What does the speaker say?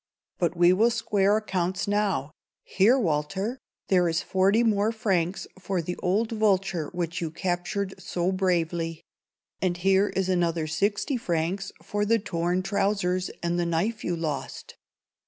But we will square accounts now. Here, Walter; there is forty francs for the old vulture which you captured so bravely; and here is another sixty francs for the torn trousers and the knife you lost."